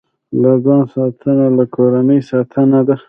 له ځان ساتنه، له کورنۍ ساتنه ده.